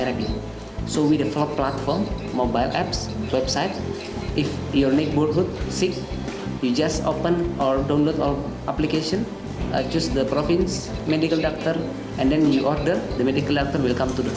jadi kita membangun platform aplikasi mobile website jika orang anda sakit anda hanya perlu buka atau download aplikasi pilih dokter medis di provinsi dan kemudian anda pesan dokter medis akan datang ke rumah